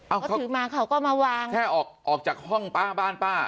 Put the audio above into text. เอาก็ถือมาเขาก็มาวางแค่ออกออกจากห้องป้าบ้านป้า